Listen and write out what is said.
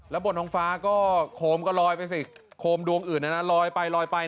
บนท้องฟ้าก็โคมก็ลอยไปสิโคมดวงอื่นนั้นลอยไปลอยไป